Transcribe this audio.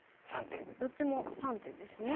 どっちも３手ですね。